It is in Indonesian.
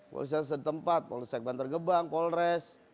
polisian setempat polsek bantar gebang polres